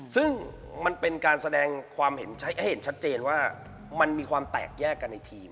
ซึ่งมันเป็นการแสดงความเห็นให้เห็นชัดเจนว่ามันมีความแตกแยกกันในทีม